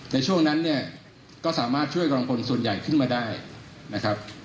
ในช่วงนั้นเนี่ยก็สามารถช่วยกำลังพลส่วนใหญ่ขึ้นมาได้นะครับ